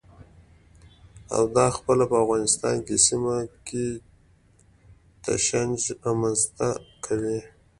او دا پخپله په افغانستان او سیمه کې تشنج رامنځته کوي.